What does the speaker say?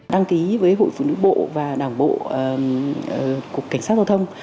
đăng ký với hội phụ nữ bộ và đảng bộ cục cảnh sát giao thông